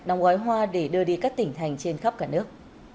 đóng gói hoa để đưa đi các tỉnh thành trên khắp cả nước